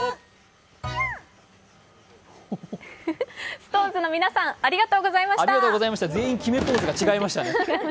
ＳｉｘＴＯＮＥＳの皆さんありがとうございました。